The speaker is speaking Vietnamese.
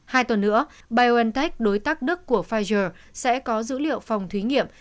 hai tuần nữa biontech đối tác đức của pfizer sẽ có dữ liệu phòng thí nghiệm